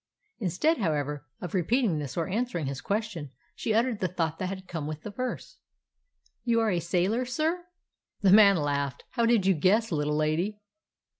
Instead, however, of repeating this or an swering his question, she uttered the thought that had come with the verse : "You are a sailor, sir?" The man laughed. "How did you guess, little lady?"